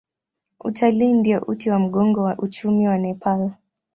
Utalii ndio uti wa mgongo wa uchumi wa Nepal.